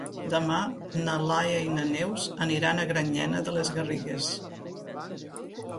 Demà na Laia i na Neus aniran a Granyena de les Garrigues.